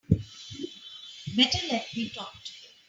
Better let me talk to him.